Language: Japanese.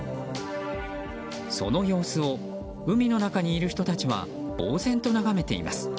その様子を海の中にいる人たちはぼう然と眺めています。